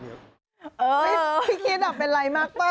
พี่คิดเป็นอะไรมากเปล่า